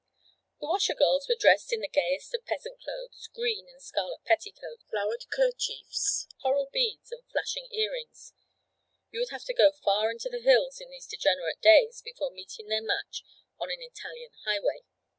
The washer girls were dressed in the gayest of peasant clothes green and scarlet petticoats, flowered kerchiefs, coral beads and flashing earrings; you would have to go far into the hills in these degenerate days before meeting their match on an Italian highway.